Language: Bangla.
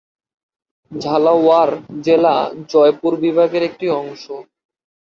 ঝালাওয়াড় জেলা জয়পুর বিভাগের একটি অংশ।